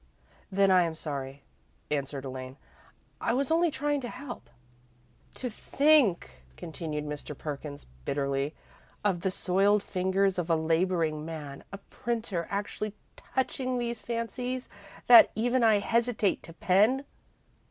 "Then I am sorry," answered Elaine. "I was only trying to help." "To think," continued Mr. Perkins, bitterly, "of the soiled fingers of a labouring man, a printer, actually touching these fancies that even I hesitate to pen!